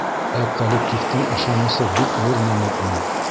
Ә коллективтың ышанысы бик ҙур нәмә ул.